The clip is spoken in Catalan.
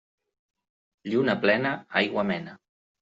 Lluna plena aigua mena.